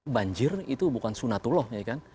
banjir itu bukan sunatullah ya kan